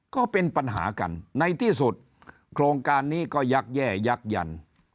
ก็เป็นปัญหากันในที่สุดโครงการนี้ก็ยักษ์แย่ยักยัน